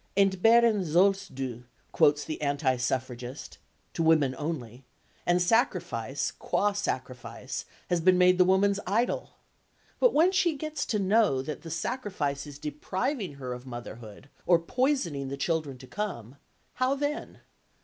"Entbehren sollst du," quotes the anti suffragist,—to women only,—and sacrifice, quâ sacrifice, has been made the woman's idol. But when she gets to know that the sacrifice is depriving her of motherhood or poisoning the children to come, how then?